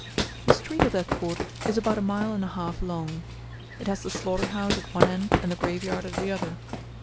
The street of that port is about a mile and a half long. It has the slaughter house at one end and the graveyard at the other.